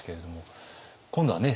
今度はね